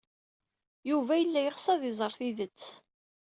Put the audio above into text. Yuba yella yeɣs ad iẓer tidet.